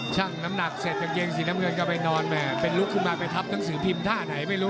ช่างน้ำหนักเสร็จกางเกงสีน้ำเงินก็ไปนอนแม่เป็นลุกขึ้นมาไปทับหนังสือพิมพ์ท่าไหนไม่รู้